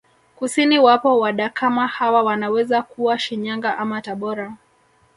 Kusini wapo Wadakama hawa wanaweza kuwa Shinyanga ama Tabora